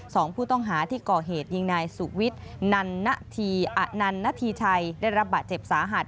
สองผู้ต้องหาที่ก่อเหตุยิงนายสุวิทย์อนันณฑีชัยได้รับบาดเจ็บสาหัส